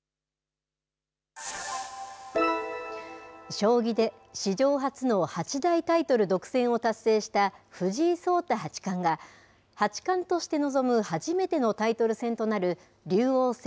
将棋で史上初の八大タイトル独占を達成した藤井聡太八冠が、八冠として臨む初めてのタイトル戦となる竜王戦